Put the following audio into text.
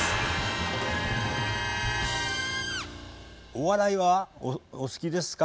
お笑いはお好きですか？